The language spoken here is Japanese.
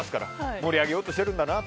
盛り上げようとしてるんだなと。